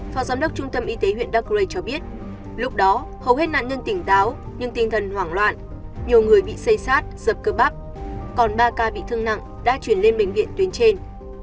phó giám đốc trung tâm y tế huyện đắk rây cho biết lúc đó hầu hết nạn nhân tỉnh táo nhưng tinh thần hoảng loạn nhiều người bị xây sát dập cơ bắp còn ba ca bị thương nặng đã chuyển lên bệnh viện tuyến trên